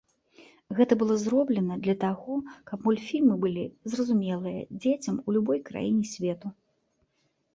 Гэта было зроблена для таго, каб мультфільмы былі зразумелыя дзецям у любой краіне свету.